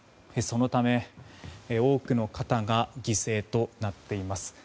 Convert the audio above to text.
そのため、多くの方が犠牲となっています。